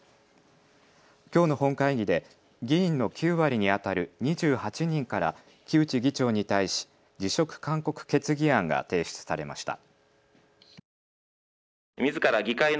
きょうの本会議で議員の９割にあたる２８人から木内議長に対し辞職勧告決議案が提出されました。